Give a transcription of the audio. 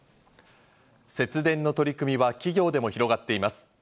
節電の取り組みは企業でも広がっています。